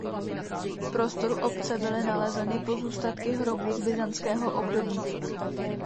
V prostoru obce byly nalezeny pozůstatky hrobů z byzantského období.